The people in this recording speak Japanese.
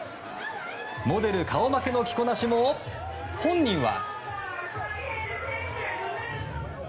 モデル顔負けの着こなしも本人は。